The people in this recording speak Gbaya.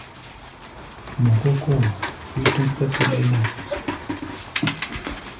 Mɔ kó kóo, wí tɔ̧́ kpɛ́kɛ́ɗɛ́ ná.